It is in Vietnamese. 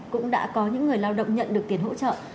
cũng đã có những người lao động nhận được tiền hỗ trợ